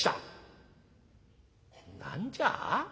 「何じゃ？